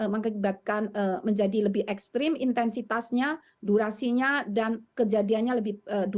mengakibatkan menjadi lebih ekstrim intensitasnya durasinya dan kejadiannya lebih